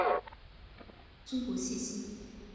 中国细辛